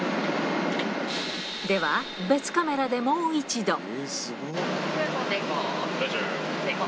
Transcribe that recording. では、別カメラでもう一度。